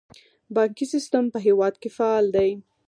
بانکي سیستم په هیواد کې فعال دی